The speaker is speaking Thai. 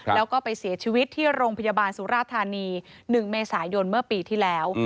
แล้วก็ไปเสียชีวิตที่โรงพยาบาลสุราธานี๑เมษายนเมื่อปีที่แล้ว